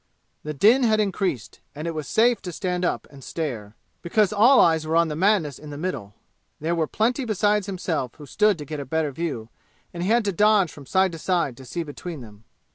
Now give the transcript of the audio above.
The din had increased, and it was safe to stand up and stare, because all eyes were on the madness in the middle. There were plenty besides himself who stood to get a better view, and he had to dodge from side to side to see between them.